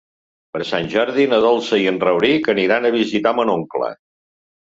Per Sant Jordi na Dolça i en Rauric aniran a visitar mon oncle.